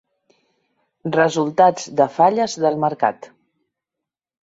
Resultats de falles del mercat.